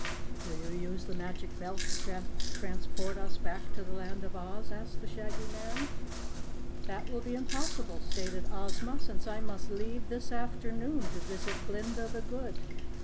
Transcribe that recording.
"Will you use the Magic Belt to transport us back to the Land of Oz?" asked the Shaggy Man. "That will be impossible," stated Ozma, "since I must leave this afternoon to visit Glinda the Good.